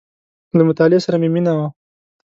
• له مطالعې سره مې مینه وه.